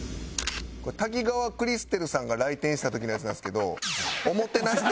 これ滝川クリステルさんが来店した時のやつなんですけど「おもてなし」